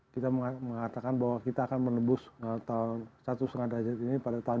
kita mengatakan bahwa kita akan menembus tahun satu lima derajat ini pada tahun dua ribu